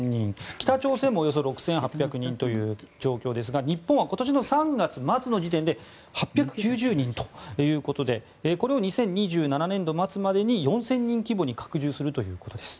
北朝鮮もおよそ６８００人という状況ですが日本は今年の３月末の時点で８９０人ということでこれを２０２７年度末までに４０００人規模に拡充するということです。